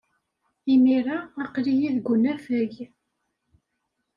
Imir-a, aql-iyi deg unafag.